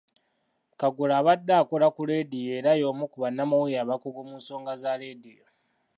Kagolo abadde akola ku leediyo era y'omu ku bannamawulire abakugu mu nsonga za leediyo.